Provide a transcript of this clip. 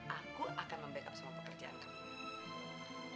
aku akan membackup semua pekerjaan kamu